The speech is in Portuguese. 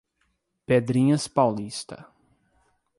Pedrinhas Paulista